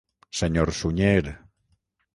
Senyor Sunyer...